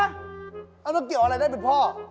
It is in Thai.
แล้วมันเกี่ยวอะไรได้เป็นพ่อ